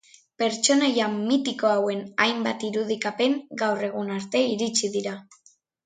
Pertsonaia mitiko hauen hainbat irudikapen gaur egun arte iritsi dira.